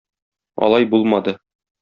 Алай булмады.